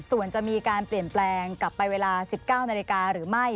ส่วนจะมีการเปลี่ยนแปลงกลับไปเวลา๑๙นาฬิกาหรือไม่